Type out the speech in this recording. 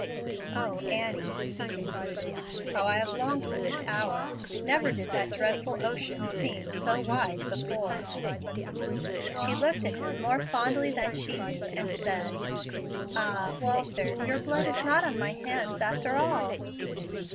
"O, Annie!" he concluded, "how I have longed for this hour! Never did that dreadful ocean seem so wide before." She looked at him more fondly than she knew, and said, "Ah, Walter! your blood is not on my hands after all."